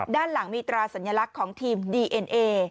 ด้านหลังมีตราสัญลักษณ์ของทีมดีเอ็นเอ